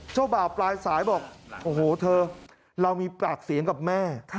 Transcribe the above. บ่าวปลายสายบอกโอ้โหเธอเรามีปากเสียงกับแม่